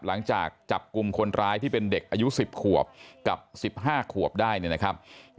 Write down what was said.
หลังจากจับกลุ่มคนร้ายที่เป็นเด็กอายุ๑๐ขวบกับ๑๕ขวบได้เนี่ยนะครับ